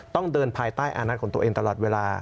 ต้องเดินภายใต้อานัทของตัวเองตลอดเวลา